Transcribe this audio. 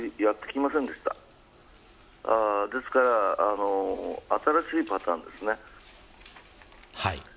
なので新しいパターンですね。